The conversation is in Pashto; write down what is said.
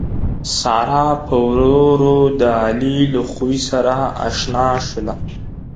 ساره پّ ورو ورو د علي له خوي سره اشنا شوله